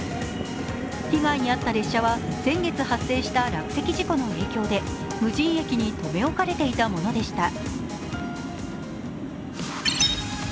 被害に遭った列車は、先月発生した落石事故の影響で無人駅に留め置かれていたものでした。